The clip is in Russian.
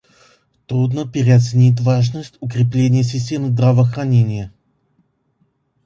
Трудно переоценить важность укрепления систем здравоохранения.